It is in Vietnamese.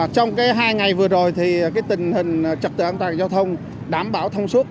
trong hai ngày vừa rồi thì tình hình trật tự an toàn giao thông đảm bảo thông suốt